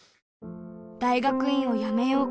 大学院をやめようか。